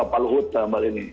pak luhut sama ini